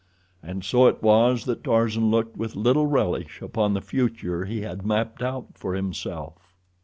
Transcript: And so it was that Tarzan looked with little relish upon the future he had mapped out for himself.